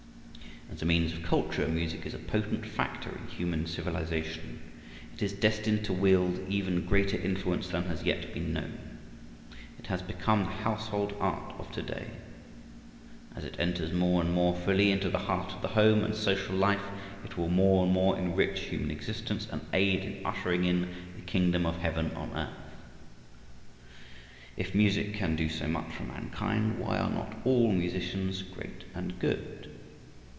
As a means of culture music is a potent factor in human civilization. It is destined to wield even greater influence than has yet been known. It has become the household art of to day. As it enters more and more fully into the heart of the home and social life it will more and more enrich human existence and aid in ushering in the Kingdom of Heaven on Earth. If music can do so much for mankind, why are not all musicians great and good?